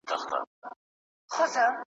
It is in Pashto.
یا علاج ته دي راغلی طبیب غل سي `